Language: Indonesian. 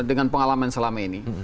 dengan pengalaman selama ini